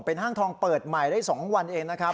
ห้างทองเปิดใหม่ได้๒วันเองนะครับ